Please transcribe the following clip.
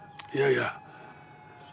いやいや。